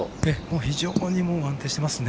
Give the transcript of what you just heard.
非常に安定していますね。